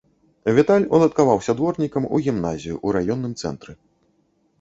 Віталь уладкаваўся дворнікам у гімназію ў раённым цэнтры.